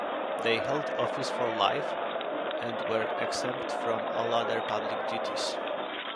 They held office for life, and were exempt from all other public duties.